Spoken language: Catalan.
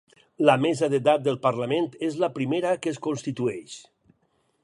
La mesa d'edat del parlament és la primera que es constitueix